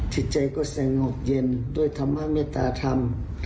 จิตใจก็แสงออกเย็นด้วยธรรมะเมตตาธรรม